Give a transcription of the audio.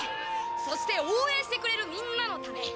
そして応援してくれるみんなのため。